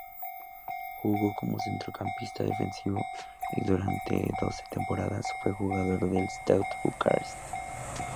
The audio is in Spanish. Jugó como centrocampista defensivo y durante doce temporadas fue jugador del Steaua Bucarest.